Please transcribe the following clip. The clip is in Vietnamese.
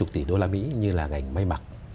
ba bốn mươi tỷ đô la mỹ như là ngành may mặc